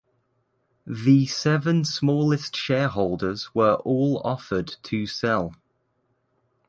The seven smallest shareholders were all offered to sell.